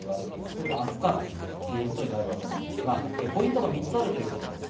それが明日からというふうになるわけですが、ポイントが３つあるということです。